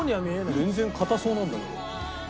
全然硬そうなんだけど。